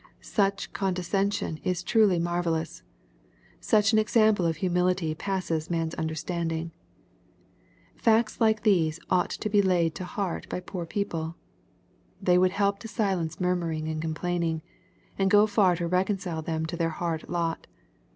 Such condescension is truly marvellous. Such an example of humility passes man's understanding. Facts like these ought often to be laid to heart by poor people. They would help to silence murmuring and complaining, and go far to reconcile them to their hard lot.